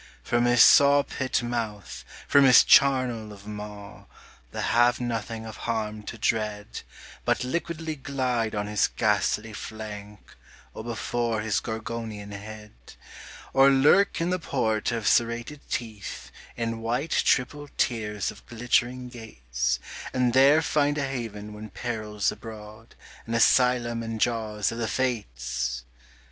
From his saw pit mouth, from his charnel of maw The have nothing of harm to dread, But liquidly glide on his ghastly flank Or before his Gorgonian head; Or lurk in the port of serrated teeth In white triple tiers of glittering gates, And there find a haven when peril's abroad, An asylum in jaws of the Fates!